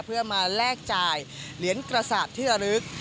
เพื่อมาแลกจ่ายเหรียญกระสาปที่ระลึก